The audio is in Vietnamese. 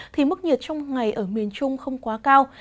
thì mức nhiệt trong ngày ở miền trung không quá cao